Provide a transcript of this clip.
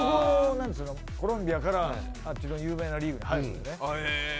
コロンビアからあっちの有名なリーグに入るんだよね。